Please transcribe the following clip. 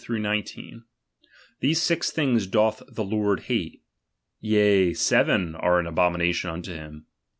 16 19 : These six things doth the Lord hate, yea, seven are an abomination unto him.